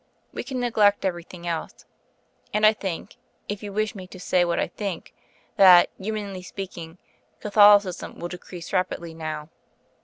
We can neglect everything else. And, I think, if you wish me to say what I think, that, humanly speaking, Catholicism will decrease rapidly now.